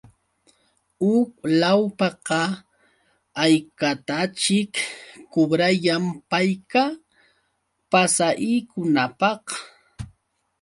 Huk lawpaqa, ¿haykataćhik kubrayan payqa? Pasahikunapaq.